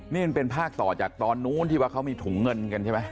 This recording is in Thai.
นี่มันเป็นภาคต่อจากตอนนู้นที่ว่าเขามีถุงเงินกันใช่ไหม